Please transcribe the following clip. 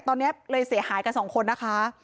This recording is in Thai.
ตอนนี้เลยเสียหายกันสองคนนะคะ